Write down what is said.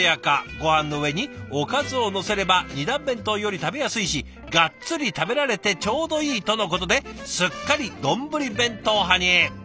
ごはんの上におかずをのせれば２段弁当より食べやすいしガッツリ食べられてちょうどいいとのことですっかりどんぶり弁当派に。